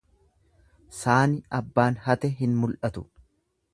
Saani abbaan hate hin mul'atu.